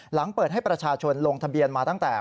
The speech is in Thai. หลังเปิดให้ประชาชนลงทะเบียนมาตั้งแต่